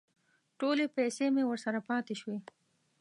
ټولې پیسې مې ورسره پاتې شوې.